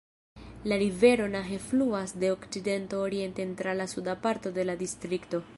La rivero Nahe fluas de okcidento orienten tra la suda parto de la distrikto.